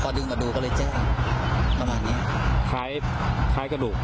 ดึงมาดูก็เลยแจ้งประมาณนี้คล้ายคล้ายกระดูก